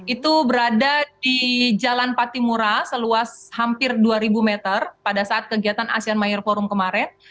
itu berada di jalan patimura seluas hampir dua ribu meter pada saat kegiatan asean mayor forum kemarin